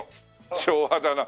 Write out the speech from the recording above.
昭和だな。